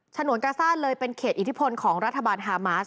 ฉนวนกาซ่าเลยเป็นเขตอิทธิพลของรัฐบาลฮามาส